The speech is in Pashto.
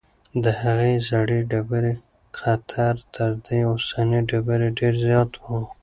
د هغې زړې ډبرې قطر تر دې اوسنۍ ډبرې ډېر زیات و.